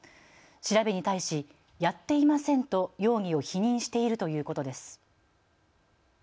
調べに対し、やっていませんと容疑を否認しているということです。